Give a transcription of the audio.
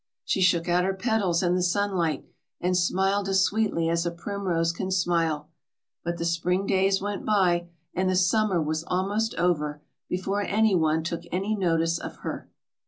She shook out her petals in the sunlight, and smiled as sweetly as a primrose can smile; but the spring days went by, and the summer was almost over, before any one took any notice of her.